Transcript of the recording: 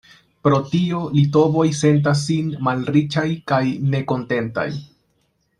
Pro tio litovoj sentas sin malriĉaj kaj nekontentaj.